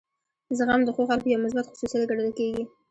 زغم د ښو خلکو یو مثبت خصوصیت ګڼل کیږي.